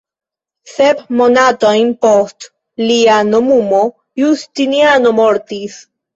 Sep monatojn post lia nomumo Justiniano mortis.